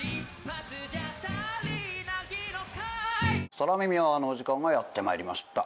空耳アワーのお時間がやってまいりました。